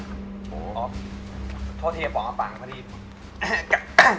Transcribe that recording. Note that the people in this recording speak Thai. โอ้โหโทษที่จะปอบมาปากไม่ได้อิ่ม